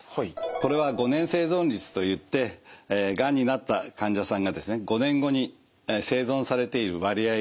これは５年生存率といってがんになった患者さんがですね５年後に生存されている割合を示しています。